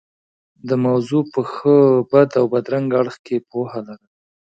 د موضوع په ښه، بد او بدرنګه اړخ کې پوهه لرل.